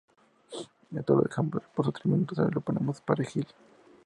esto lo dejamos reposar tres minutos, le ponemos perejil